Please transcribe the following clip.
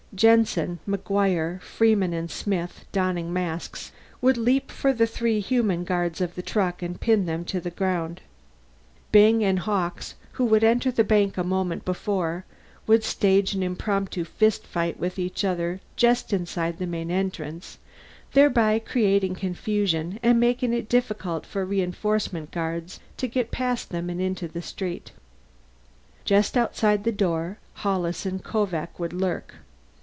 Jensen, McGuire, Freeman, and Smith, donning masks, would leap for the three human guards of the truck and pin them to the ground. Byng and Hawkes, who would enter the bank a moment before, would stage an impromptu fist fight with each other just inside the main entrance, thereby creating confusion and making it difficult for reinforcement guards to get past them and into the street. Just outside the door, Hollis and Kovak would lurk.